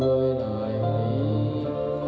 นายยกรัฐมนตรีพบกับทัพนักกีฬาที่กลับมาจากโอลิมปิก๒๐๑๖